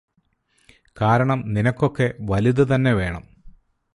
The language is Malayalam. കാരണം നിനക്കൊക്കെ വലുത് തന്നെ വേണം